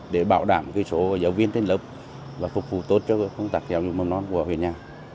để bảo đảm số giáo viên trên lớp và phục vụ tốt cho công tác giáo dục mầm non của huyện nhà